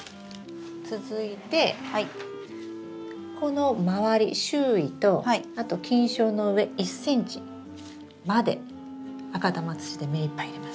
続いてこの周り周囲とあと菌床の上１ｃｍまで赤玉土で目いっぱい入れます。